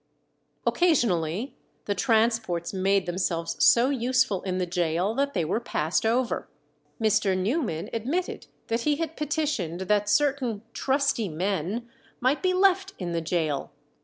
Occasionally the transports made themselves so useful in the gaol that they were passed over. Mr. Newman admitted that he had petitioned that certain "trusty men" might be left in the gaol.